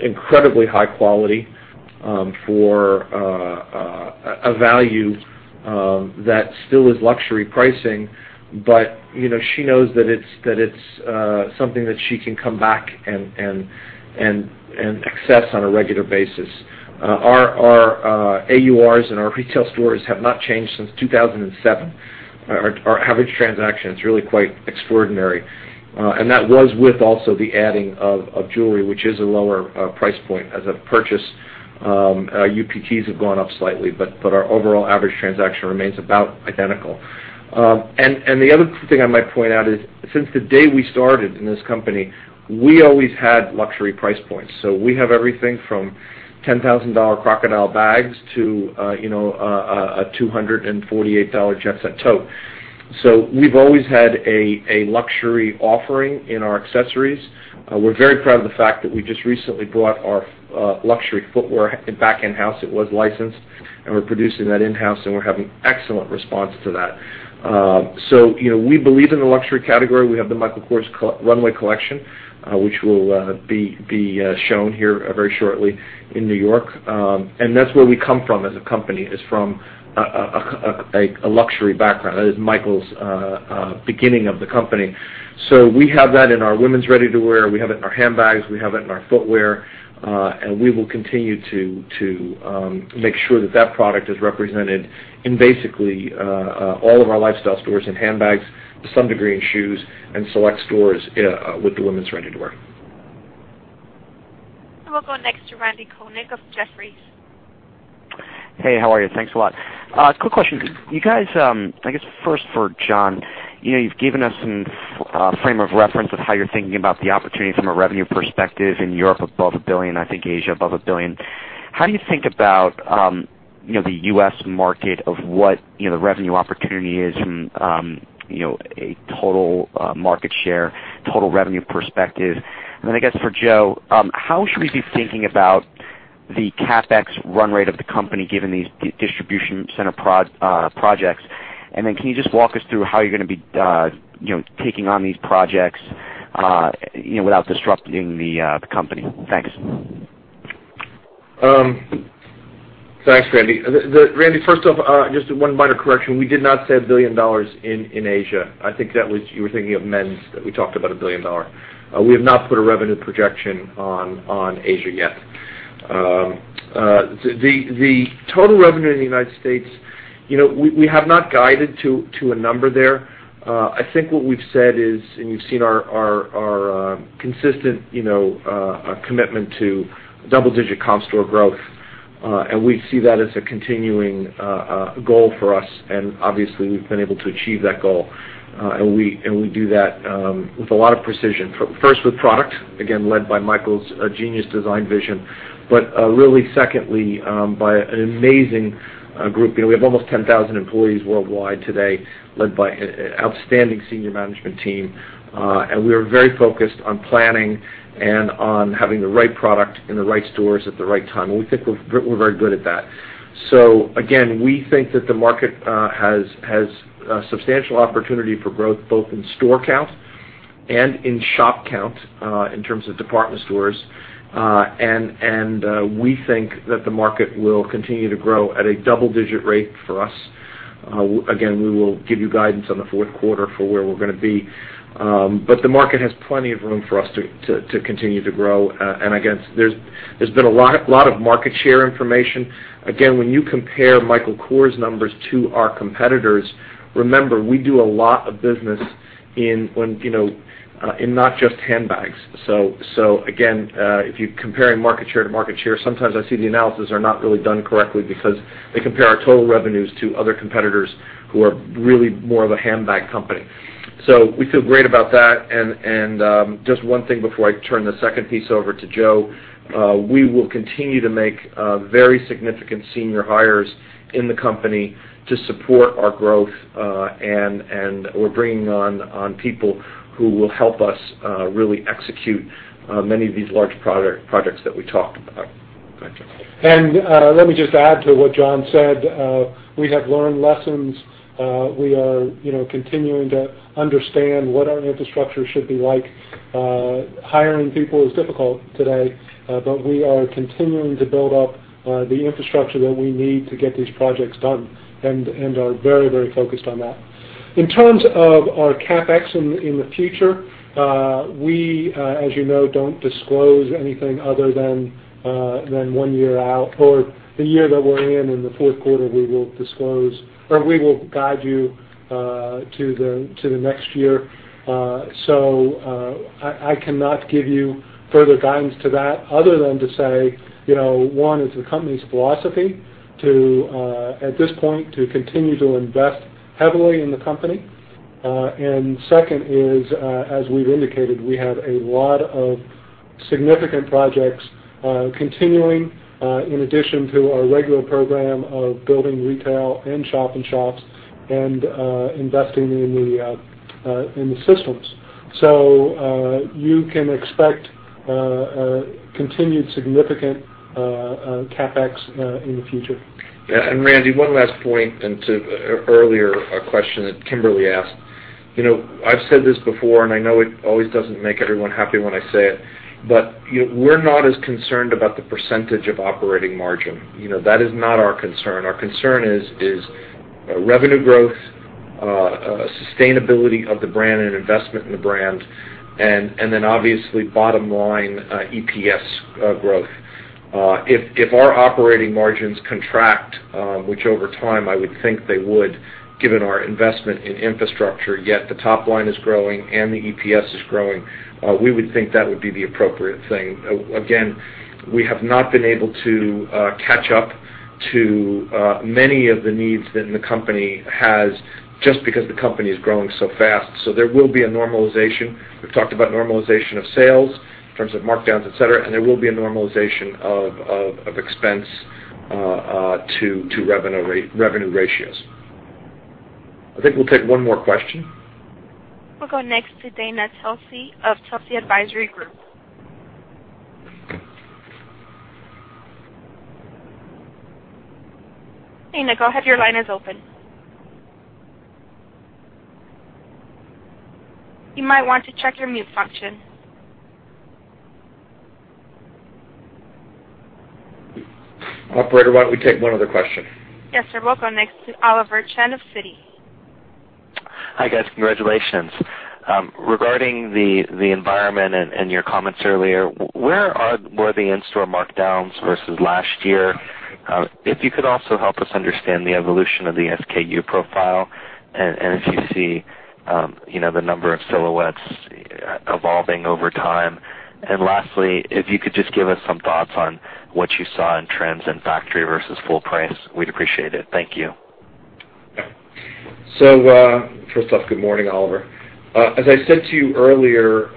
incredibly high quality for a value that still is luxury pricing, but she knows that it's something that she can come back and access on a regular basis. Our AURs in our retail stores have not changed since 2007. Our average transaction, it's really quite extraordinary. That was with also the adding of jewelry, which is a lower price point as a purchase. UPTs have gone up slightly, our overall average transaction remains about identical. The other thing I might point out is since the day we started in this company, we always had luxury price points. We have everything from $10,000 crocodile bags to a $248 Jet Set tote. We've always had a luxury offering in our accessories. We're very proud of the fact that we just recently brought our luxury footwear back in-house. It was licensed, and we're producing that in-house, and we're having excellent response to that. We believe in the luxury category. We have the Michael Kors runway collection, which will be shown here very shortly in New York. That's where we come from as a company, is from a luxury background. That is Michael's beginning of the company. We have that in our women's ready-to-wear, we have it in our handbags, we have it in our footwear. We will continue to make sure that product is represented in basically all of our lifestyle stores, in handbags, to some degree in shoes, and select stores with the women's ready-to-wear. We'll go next to Randal Konik of Jefferies. Hey, how are you? Thanks a lot. Quick question. You guys, I guess first for John, you've given us some frame of reference with how you're thinking about the opportunity from a revenue perspective in Europe above $1 billion, I think Asia above $1 billion. How do you think about the U.S. market of what the revenue opportunity is from a total market share, total revenue perspective? I guess for Joe, how should we be thinking about the CapEx run rate of the company, given these distribution center projects? Can you just walk us through how you're going to be taking on these projects without disrupting the company? Thanks. Thanks, Randy. Randy, first off, just one minor correction. We did not say $1 billion in Asia. I think that you were thinking of men's that we talked about $1 billion. We have not put a revenue projection on Asia yet. The total revenue in the United States, we have not guided to a number there. I think what we've said is, you've seen our consistent commitment to double-digit comp store growth, and we see that as a continuing goal for us. Obviously, we've been able to achieve that goal. We do that with a lot of precision. First with product, again, led by Michael's genius design vision, but really secondly, by an amazing group. We have almost 10,000 employees worldwide today, led by an outstanding senior management team. We are very focused on planning and on having the right product in the right stores at the right time. We think we're very good at that. Again, we think that the market has substantial opportunity for growth, both in store count and in shop count in terms of department stores. We think that the market will continue to grow at a double-digit rate for us. Again, we will give you guidance on the fourth quarter for where we're going to be. The market has plenty of room for us to continue to grow. Again, there's been a lot of market share information. Again, when you compare Michael Kors numbers to our competitors, remember, we do a lot of business in not just handbags. Again, if you're comparing market share to market share, sometimes I see the analysis are not really done correctly because they compare our total revenues to other competitors who are really more of a handbag company. We feel great about that, just one thing before I turn the second piece over to Joe, we will continue to make very significant senior hires in the company to support our growth. We're bringing on people who will help us really execute many of these large projects that we talked about. Go ahead, Joe. Let me just add to what John said. We have learned lessons. We are continuing to understand what our infrastructure should be like. Hiring people is difficult today, we are continuing to build up the infrastructure that we need to get these projects done and are very focused on that. In terms of our CapEx in the future, we as you know, don't disclose anything other than one year out or the year that we're in the fourth quarter, we will disclose or we will guide you to the next year. I cannot give you further guidance to that other than to say, one, it's the company's philosophy at this point, to continue to invest heavily in the company. Second is as we've indicated, we have a lot of significant projects continuing in addition to our regular program of building retail and shop in shops and investing in the systems. You can expect continued significant CapEx in the future. Randy, one last point, to earlier a question that Kimberly asked. I've said this before, I know it always doesn't make everyone happy when I say it, but we're not as concerned about the percentage of operating margin. That is not our concern. Our concern is revenue growth, sustainability of the brand and investment in the brand, then obviously bottom line EPS growth. If our operating margins contract, which over time I would think they would, given our investment in infrastructure, yet the top line is growing and the EPS is growing, we would think that would be the appropriate thing. Again, we have not been able to catch up to many of the needs that the company has just because the company is growing so fast. There will be a normalization. We've talked about normalization of sales in terms of markdowns, et cetera. There will be a normalization of expense to revenue ratios. I think we'll take one more question. We'll go next to Dana Telsey of Telsey Advisory Group. Dana, go ahead, your line is open. You might want to check your mute function. Operator, why don't we take one other question? Yes, sir. We'll go next to Oliver Chen of Citi. Hi, guys. Congratulations. Regarding the environment and your comments earlier, where were the in-store markdowns versus last year? If you could also help us understand the evolution of the SKU profile and if you see the number of silhouettes evolving over time. Lastly, if you could just give us some thoughts on what you saw in trends in factory versus full price, we'd appreciate it. Thank you. First off, good morning, Oliver. As I said to you earlier,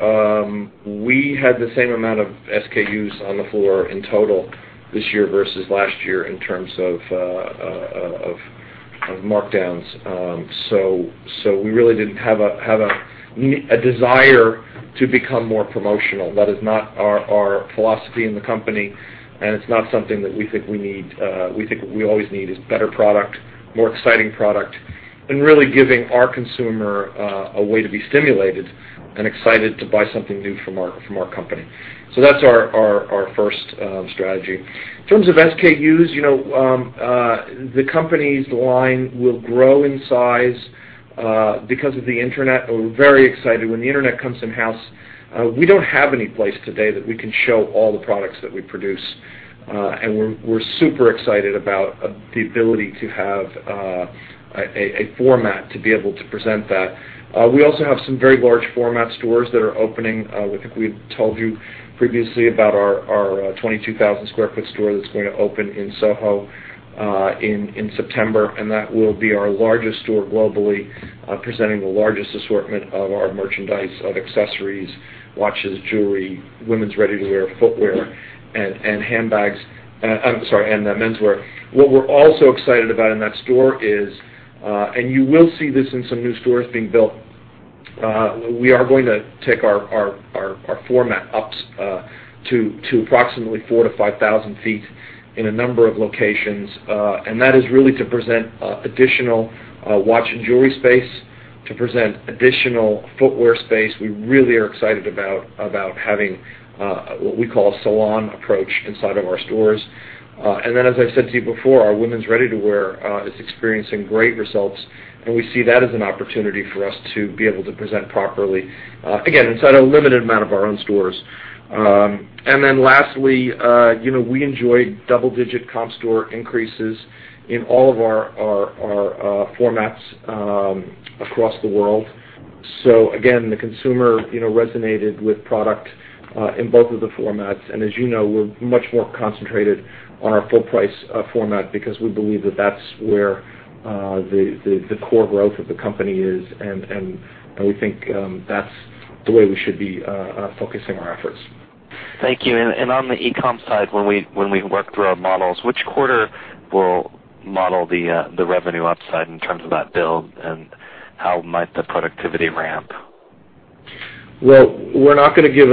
we had the same amount of SKUs on the floor in total this year versus last year in terms of markdowns. We really didn't have a desire to become more promotional. That is not our philosophy in the company, and it's not something that we think we need. We think what we always need is better product, more exciting product, and really giving our consumer a way to be stimulated and excited to buy something new from our company. That's our first strategy. In terms of SKUs, the company's line will grow in size because of the Internet. We're very excited. When the Internet comes in-house, we don't have any place today that we can show all the products that we produce. We're super excited about the ability to have a format to be able to present that. We also have some very large format stores that are opening. I think we told you previously about our 22,000 sq ft store that's going to open in Soho in September, and that will be our largest store globally, presenting the largest assortment of our merchandise of accessories, watches, jewelry, women's ready-to-wear footwear, and handbags. I'm sorry, and menswear. What we're also excited about in that store is, and you will see this in some new stores being built, we are going to take our format ups to approximately 4,000-5,000 ft in a number of locations. That is really to present additional watch and jewelry space, to present additional footwear space. We really are excited about having what we call a salon approach inside of our stores. As I said to you before, our women's ready-to-wear is experiencing great results, and we see that as an opportunity for us to be able to present properly, again, inside a limited amount of our own stores. Lastly, we enjoyed double-digit comp store increases in all of our formats across the world. Again, the consumer resonated with product in both of the formats. As you know, we're much more concentrated on our full price format because we believe that that's where the core growth of the company is, and we think that's the way we should be focusing our efforts. Thank you. On the e-com side, when we work through our models, which quarter will model the revenue upside in terms of that build, and how might the productivity ramp? Well, we're not going to give,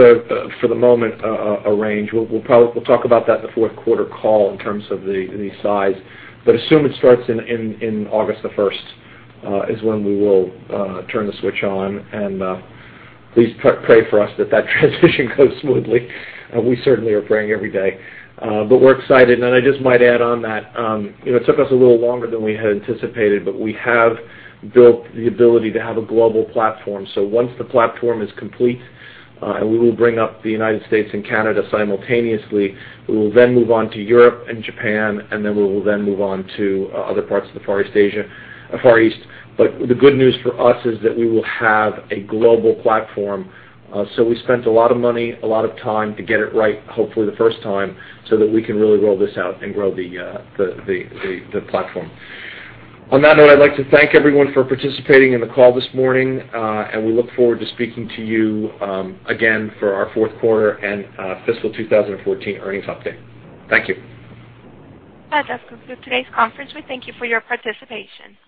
for the moment, a range. We'll talk about that in the fourth quarter call in terms of the size. Assume it starts in August 1st, is when we will turn the switch on, and please pray for us that transition goes smoothly. We certainly are praying every day. We're excited. I just might add on that, it took us a little longer than we had anticipated, but we have built the ability to have a global platform. Once the platform is complete, and we will bring up the U.S. and Canada simultaneously, we will then move on to Europe and Japan, and then we will then move on to other parts of the Far East. The good news for us is that we will have a global platform. We spent a lot of money, a lot of time to get it right, hopefully the first time, so that we can really roll this out and grow the platform. On that note, I'd like to thank everyone for participating in the call this morning, and we look forward to speaking to you again for our fourth quarter and fiscal 2014 earnings update. Thank you. That does conclude today's conference. We thank you for your participation.